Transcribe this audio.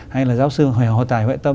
hay là giáo sư hồ tài huệ tâm